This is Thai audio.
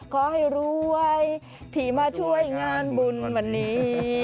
ขอให้รวยที่มาช่วยงานบุญวันนี้